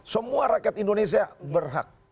semua rakyat indonesia berhak